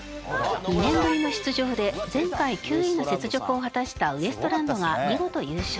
２年ぶりの出場で前回９位の雪辱を果たしたウエストランドが見事優勝。